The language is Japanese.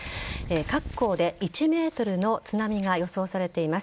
各港で１ｍの津波が予想されています。